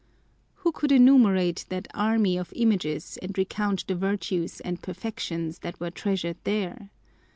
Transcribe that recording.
Who could enumerate that army of images and recount the virtues and perfections that were treasured there!